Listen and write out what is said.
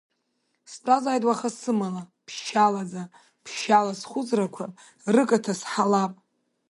Стәазааит уаха сымала, ԥшьшьалаӡа, ԥшьшьала схәыцрақәа рыкаҭа сҳалап.